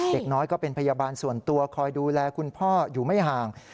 เด็กน้อยก็เป็นพยาบาลส่วนตัวคอยดูแลคุณพ่ออยู่ไม่ห่าง